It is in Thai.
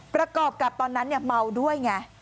ประกอบกับตอนนั้นเมาด้วยไง